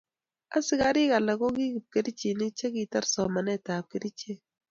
askarik alak ko ki kipkerichin che kitar somanetab kerchek